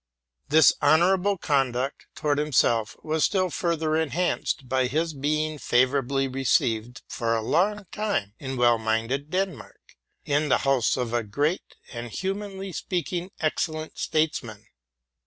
This honorable conduct towards himself was still further enhanced by his being favorably received for a long time in well minded Denmark, in the house of a great, and, humanly speaking, excellent, statesman.